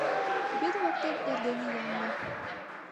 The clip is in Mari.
Вӱд воктен эрдене ямле